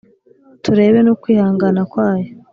turebe n’ukwihangana kwayo.